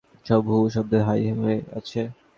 সব হু হু শব্দে ছাই হয়ে যাচ্ছে।